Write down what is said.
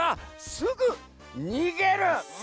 すぐにげる！